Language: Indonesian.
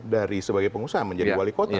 dari sebagai pengusaha menjadi wali kota